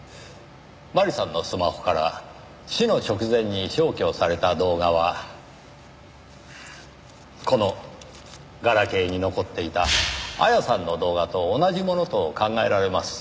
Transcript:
麻里さんのスマホから死の直前に消去された動画はこのガラケーに残っていた亜弥さんの動画と同じものと考えられます。